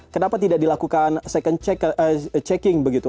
kenapa tidak dilakukan second checking begitu